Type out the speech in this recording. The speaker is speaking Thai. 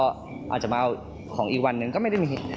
อาจจะมาของอีกวันหนึ่งก็ไม่ได้มี